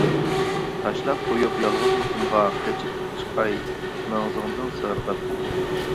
تاشلاپ قويۇپ يالغۇزلۇقۇمغا، قېچىپ چىقاي مەڭزىڭدىن سىرغىپ.